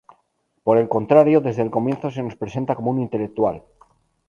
Por el contrario, desde el comienzo se nos presenta como un intelectual.